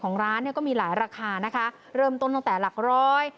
ร้านเนี่ยก็มีหลายราคานะคะเริ่มต้นตั้งแต่หลักร้อย